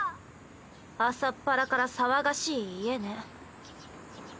朝っぱらから騒がしい家ね。